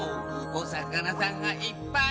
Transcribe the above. おさかなさんがいっぱい。